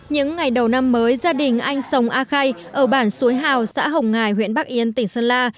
những ngày đầu năm mới gia đình anh sông a khay ở bản suối hào xã hồng ngài huyện bắc yên tỉnh sơn la